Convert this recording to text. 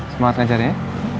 semangat ngajarnya ya